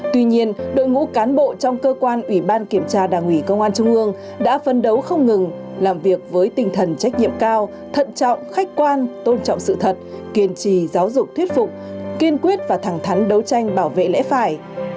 tuy nhiên đội ngũ cán bộ trong cơ quan ủy ban kiểm tra đảng ủy công an trung ương đã phân đấu không ngừng làm việc với tinh thần trách nhiệm cao thận trọng khách quan tôn trọng sự thật kiên trì giáo dục thuyết phục kiên quyết và thẳng thắn đấu tranh bảo vệ lẽ phải